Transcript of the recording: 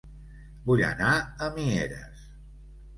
Vull anar a Mieres